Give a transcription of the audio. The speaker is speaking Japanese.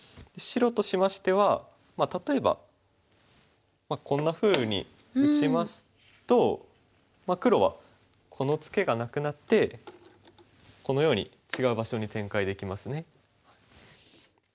白としましては例えばこんなふうに打ちますと黒はこのツケがなくなってこのように違う場所に展開できますね。